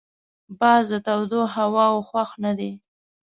باز د تودو هواوو خوښ نه دی